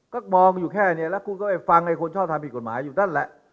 ก็มองอยู่แค่นี้แล้วคุณก็ไปฟังไอ้คนชอบทำผิดกฎหมายอยู่นั่นแหละ